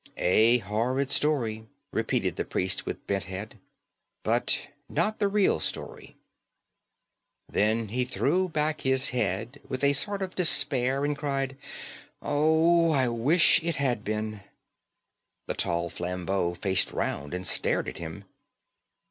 "A horrid story," repeated the priest with bent head. "But not the real story." Then he threw back his head with a sort of despair and cried: "Oh, I wish it had been." The tall Flambeau faced round and stared at him.